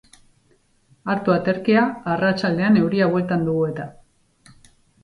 Hartu aterkia arratsaldean euria bueltan dugu eta.